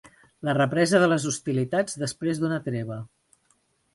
La represa de les hostilitats després d'una treva.